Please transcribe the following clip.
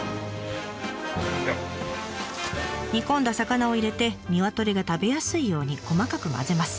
煮込んだ魚を入れてニワトリが食べやすいように細かく混ぜます。